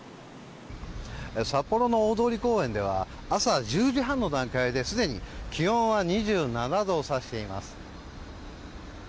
札幌の大通公園では朝１０時半の段階ですでに気温は２７度を指しています。